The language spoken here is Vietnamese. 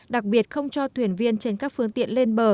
đặc biệt không cho thuyền viên trên các phương tiện lên bờ